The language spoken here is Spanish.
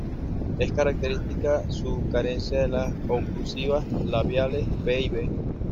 Es característica su carencia de las oclusivas labiales p y b.